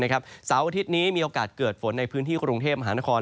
เสาร์อาทิตย์นี้มีโอกาสเกิดฝนในพื้นที่กรุงเทพมหานคร